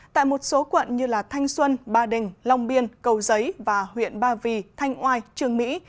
tại một số quận như thanh xuân ba đình long biên cầu giấy và huyện ba vì thanh oai trường mỹ